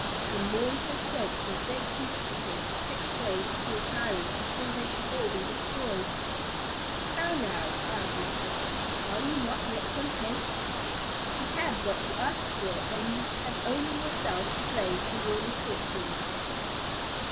In mournful croaks they begged Jupiter to take away the cruel tyrant before they should all be destroyed. "How now!" cried Jupiter "Are you not yet content? You have what you asked for and so you have only yourselves to blame for your misfortunes."